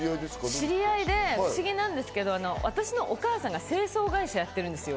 知り合いで、不思議なんですけど私のお母さんが清掃会社をやってるんですよ。